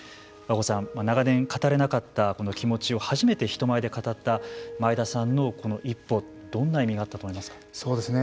和合さん、長年、語れなかったこの気持ちを初めて人前で語った前田さんのこの一歩どんな意味があったと思いますか。